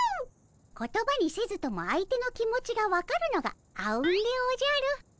言葉にせずとも相手の気持ちが分かるのがあうんでおじゃる。